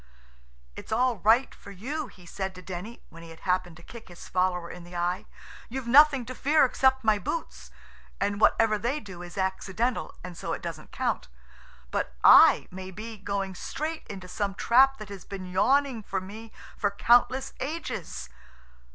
"It's all right for you," he said to Denny, when he had happened to kick his follower in the eye. "You've nothing to fear except my boots, and whatever they do is accidental, and so it doesn't count, but I may be going straight into some trap that has been yawning for me for countless ages."